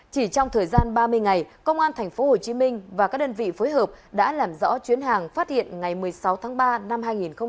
chỉ trong thời gian ba mươi ngày công an tp hcm và các đơn vị phối hợp đã làm rõ chuyến hàng phát hiện ngày một mươi sáu tháng ba năm hai nghìn hai mươi